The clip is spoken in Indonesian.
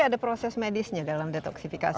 ada proses medisnya dalam detoksifikasi